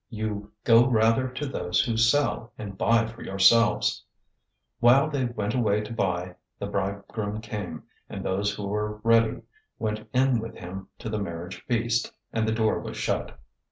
You go rather to those who sell, and buy for yourselves.' 025:010 While they went away to buy, the bridegroom came, and those who were ready went in with him to the marriage feast, and the door was shut.